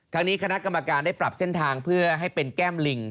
ทางนี้คณะกรรมการได้ปรับเส้นทางเพื่อให้เป็นแก้มลิง